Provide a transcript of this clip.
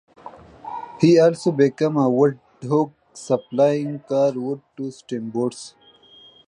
He also became a "woodhawk," supplying cord wood to steamboats.